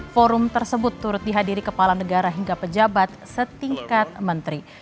forum tersebut turut dihadiri kepala negara hingga pejabat setingkat menteri